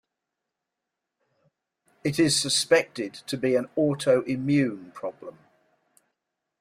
It is suspected to be an autoimmune problem.